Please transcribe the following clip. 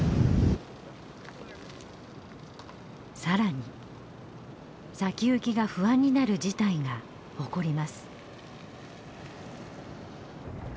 更に先行きが不安になる事態が起こります。